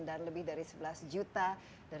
lebih dari sebelas juta